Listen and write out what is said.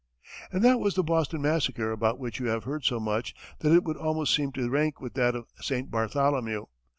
And that was the Boston massacre about which you have heard so much that it would almost seem to rank with that of St. Bartholomew.